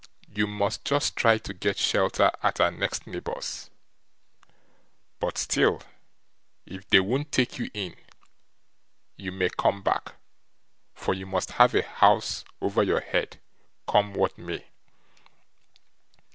You must just try to get shelter at our next neighbour's; but still if they won't take you in, you may come back, for you must have a house over your head, come what may."